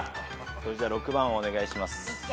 じゃあ６番をお願いします。